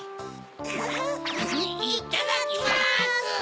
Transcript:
フフっいっただきます！